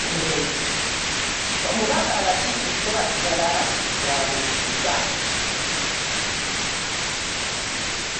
Omubaka Latif Ssebaggala bw'abuuzizza.